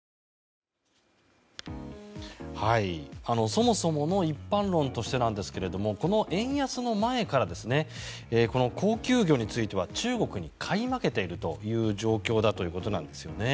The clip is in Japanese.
そもそもの一般論としてなんですがこの円安の前から高級魚については中国に買い負けている状況だということなんですよね。